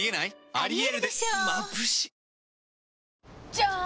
じゃーん！